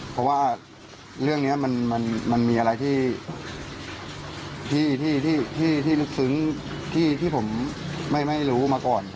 เพราะว่าเรื่องนี้มันมีอะไรที่ลึกซึ้งที่ผมไม่รู้มาก่อน